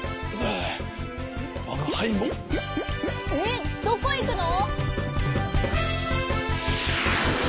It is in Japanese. えっどこいくの？